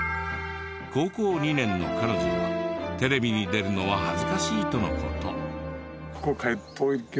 高校２年の彼女はテレビに出るのは恥ずかしいとの事。